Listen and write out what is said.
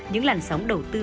những làn sóng đầu tư